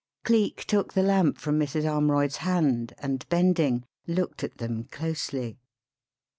Cleek took the lamp from Mrs. Armroyd's hand, and, bending, looked at them closely.